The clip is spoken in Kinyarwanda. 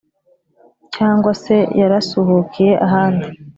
cyangwa se yarasuhukiye ahandi